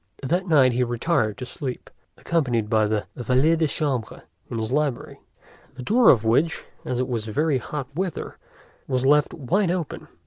That night he retired to sleep, accompanied by his valet de chambre, in his library, the door of which, as it was very hot weather, was left wide open.